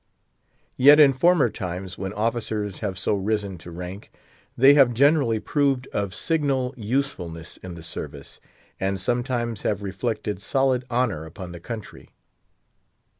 Yet, in former times, when officers have so risen to rank, they have generally proved of signal usefulness in the service, and sometimes have reflected solid honour upon the country.